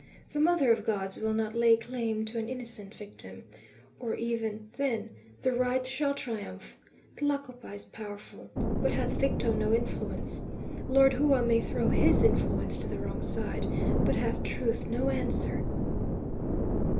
The Mother of Gods will not lay claim to an innocent victim. Or, even then, the right shall triumph! Tlacopa is powerful, but hath Victo no influence? Lord Hua may throw HIS influence to the wrong side, but hath truth no answer?"